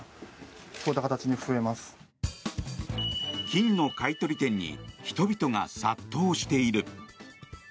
金の買い取り店に人々が殺到している。